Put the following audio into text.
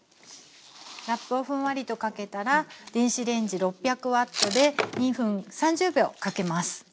ラップをふんわりとかけたら電子レンジ６００Ｗで２分３０秒かけます。